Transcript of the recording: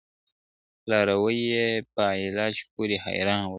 لاروي یې په علاج پوري حیران ول `